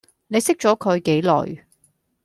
你識咗佢幾耐